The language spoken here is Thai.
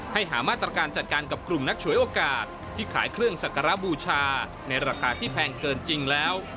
หามาตรการจัดการกับกลุ่มนักฉวยโอกาสที่ขายเครื่องสักการะบูชาในราคาที่แพงเกินจริงแล้ว